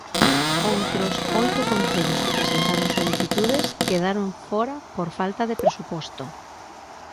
Outros oito concellos que presentaron solicitudes quedaron fóra por falta de presuposto.